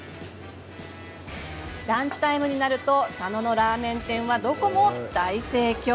ランチタイムになると佐野のラーメン店はどこも大盛況。